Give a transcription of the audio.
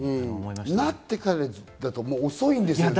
なってからだと遅いんですよね。